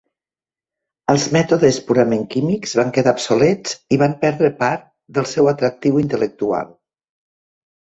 Els mètodes purament químics van quedar obsolets i van perdre part del seu atractiu intel·lectual.